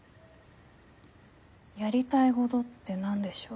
やりたいごどって何でしょう。